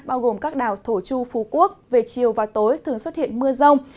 bao gồm các đảo thổ chu phú quốc về chiều và tối thường xuất hiện mưa rông